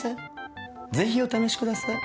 ぜひお試しください。